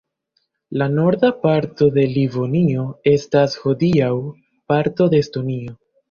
La norda parto de Livonio estas hodiaŭ parto de Estonio.